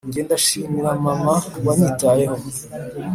Njye ndashimira mama winyitayeho